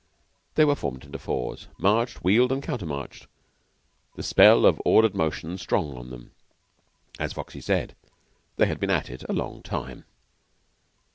They were formed into fours, marched, wheeled, and countermarched, the spell of ordered motion strong on them. As Foxy said, they had been at it a long time.